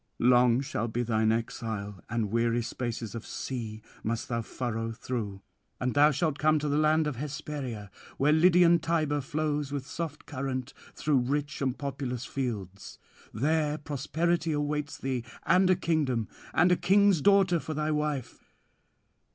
Long shall be thine exile, and weary spaces of sea must thou furrow through; and thou shalt come to the land Hesperia, where Lydian Tiber flows with soft current through rich and populous fields. There prosperity awaits thee, and a kingdom, and a king's daughter for thy wife.